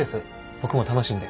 僕も楽しいんで。